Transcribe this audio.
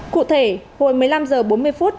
cụ thể hồi một mươi năm h bốn mươi phút